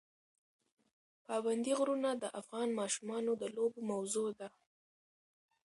پابندی غرونه د افغان ماشومانو د لوبو موضوع ده.